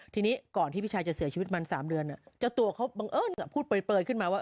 ทีนี้ก่อนที่พี่ชายจะเสียชีวิตมัน๓เดือนเจ้าตัวเขาบังเอิญพูดเปลยขึ้นมาว่า